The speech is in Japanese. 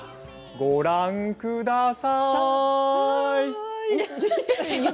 ご覧ください。